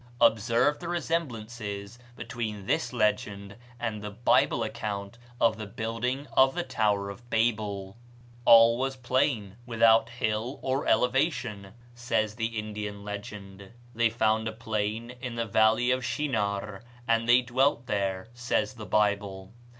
Observe the resemblances between this legend and the Bible account of the building of the Tower of Babel: "All was a plain without hill or elevation," says the Indian legend. "They found a plain in the land of Shinar, and they dwelt there," says the Bible.